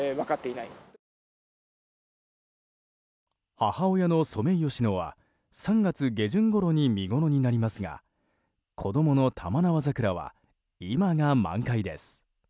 母親のソメイヨシノは３月下旬ごろに見ごろになりますが子供の玉縄桜は今が満開です。